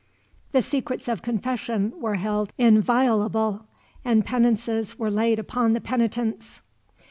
The secrets of confession were held inviolable, and penances were laid upon the penitents.